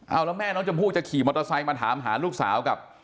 เอาแล้วแม่น้องชมพู่จะขี่มอเตอร์ไซค์มาถามหาลูกสาวกับ